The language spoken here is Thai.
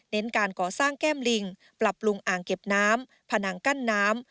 การก่อสร้างแก้มลิงปรับปรุงอ่างเก็บน้ำผนังกั้นน้ำ